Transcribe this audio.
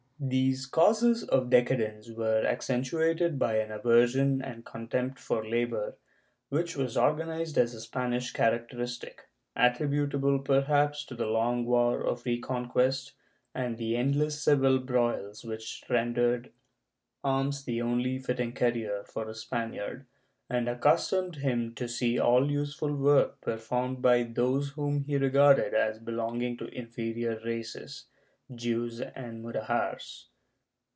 These causes of decadence were accentuated by an aversion and contempt for labor, which was recognized as a Spanish character istic, attributable perhaps to the long war of the Reconcjuest and the endless civil broils which rendered arms the only fitting career for a Spaniard, and accustomed him to see all useful work per formed by those whom he regarded as belonging to inferior races — Jews and Mudejares.